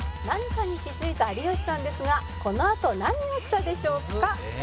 何かに気付いた有吉さんですがこのあと何をしたでしょうか？